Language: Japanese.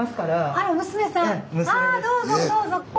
あどうぞどうぞ。